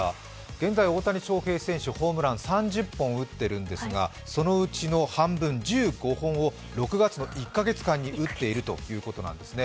現在、大谷翔平選手、ホームラン、３０分打っているんですがそのうちの半分、１５本を、６月の１か月間に打っているということなんですね。